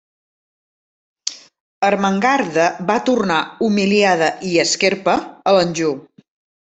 Ermengarda va tornar, humiliada i esquerpa, a l'Anjou.